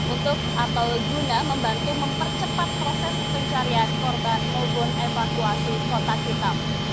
untuk atau guna membantu mempercepat proses pencarian korban maupun evakuasi kotak hitam